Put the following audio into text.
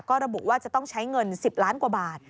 ก็ระบุว่าจะต้องใช้เงิน๑๐ล้านกว่าบาท